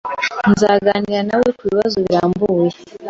Nzaganira nawe kubibazo birambuye